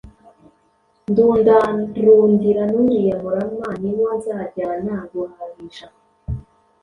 ndundarundira n’uriya murama, ni wo nzajyana guhahisha